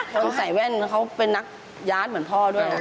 คนใส่แว่นเขาเป็นนักยาดเหมือนพ่อด้วย